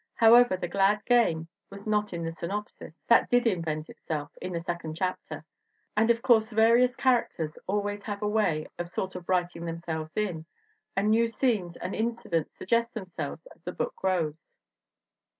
However, the glad game was not in the synopsis. That did invent itself in the second chapter. And of course various characters always have a way of sort of writing themselves in, and new scenes and in cidents suggest themselves as the book grows."